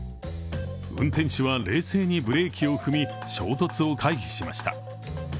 運転手は冷静にブレーキを踏み、衝突を回避しました。